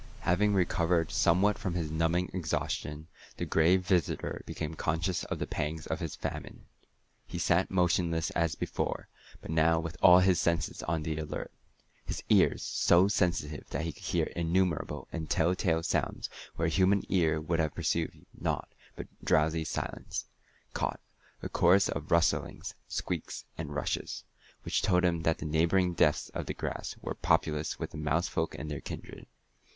Having recovered somewhat from his numbing exhaustion, the Gray Visitor became conscious of the pangs of his famine. He sat motionless as before, but now with all his senses on the alert. His ears so sensitive that he could hear innumerable and tell tale sounds where a human ear would have perceived nought but a drowsy silence caught a chorus of rustlings, squeaks, and rushes, which told him that the neighboring depths of the grass were populous with the mouse folk and their kindred.